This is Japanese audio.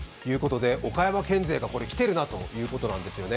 岡山県勢がこれ、来てるなということなんですね。